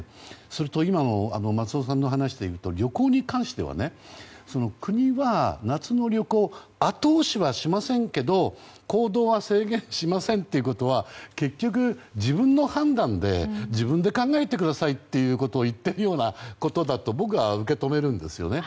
それと、今の松尾さんの話だと旅行に関しては国は夏の旅行を後押しはしませんけど行動は制限しませんということは結局自分の判断で、自分で考えてくださいということをいっているようなことだと僕は受け止めるんですよね。